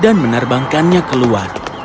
dia menerbangkannya ke luar